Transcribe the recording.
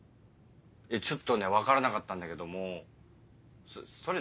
ちょっとね分からなかったんだけどもそれ